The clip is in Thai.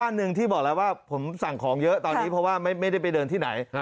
อันหนึ่งที่บอกแล้วว่าผมสั่งของเยอะตอนนี้เพราะว่าไม่ได้ไปเดินที่ไหน